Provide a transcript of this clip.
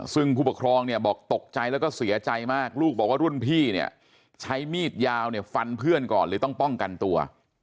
ซึ่งผู้ปกครองเนี่ยบอกตกใจแล้วก็เสียใจมากลูกบอกว่ารุ่นพี่เนี่ยใช้มีดยาวเนี่ยฟันเพื่อนก่อนเลยต้องป้องกันตัว